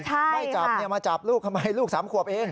ไม่จับมาจับลูกทำไมลูก๓ขวบเอง